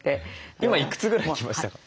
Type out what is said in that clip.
今いくつぐらい来ました？